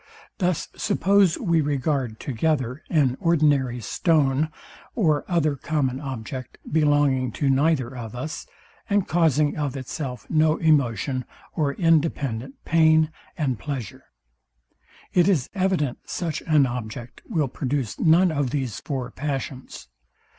Thus suppose we regard together an ordinary stone, or other common object, belonging to neither of us, and causing of itself no emotion, or independent pain and pleasure: It is evident such an object will produce none of these four passions.